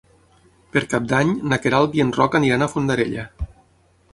Per Cap d'Any na Queralt i en Roc aniran a Fondarella.